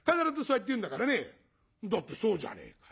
「だってそうじゃねえか。